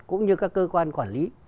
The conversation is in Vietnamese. cũng như các cơ quan quản lý